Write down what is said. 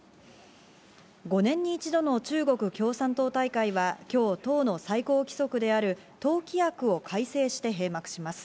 ５年に一度の中国共産党大会は今日を党の最高規則である党規約を改正して閉幕します。